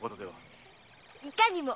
いかにも。